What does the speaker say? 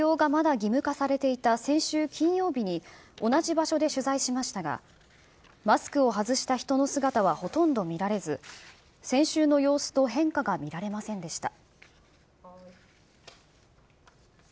着用がまだ義務化されていた先週金曜日に、同じ場所で取材しましたが、マスクを外した人の姿はほとんど見られず、先週の様子と変化が見られませんでした。